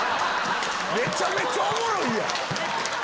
めちゃめちゃおもろいやん！